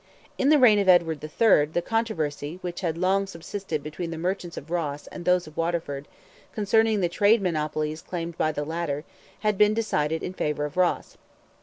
In the reign of Edward III. the controversy which had long subsisted between the merchants of Ross and those of Waterford, concerning the trade monopolies claimed by the latter, had been decided in favour of Ross.